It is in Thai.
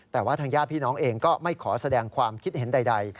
แต่ว่าทางญาติพี่น้องเองก็ไม่ขอแสดงความคิดเห็นใด